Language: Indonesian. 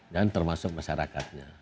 dan termasuk masyarakatnya